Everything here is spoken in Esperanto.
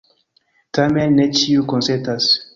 Tamen ne ĉiuj konsentas.